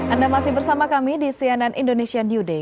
anda masih bersama kami di cnn indonesian new day